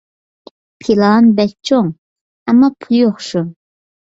پىلان بەك چوڭ، ئەمما پۇل يوق شۇ.